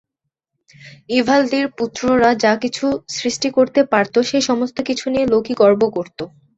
ইভালদির পুত্ররা যা কিছু সৃষ্টি করতে পারত, সেই সমস্তকিছু নিয়ে লোকি গর্ব করত।